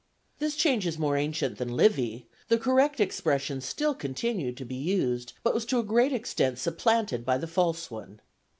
This change is more ancient than Livy; the correct expression still continued to be used, but was to a great extent supplanted by the false one.